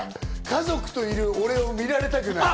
家族といる俺を見られたくない。